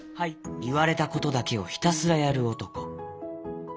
いわれたことだけをひたすらやるおとこ。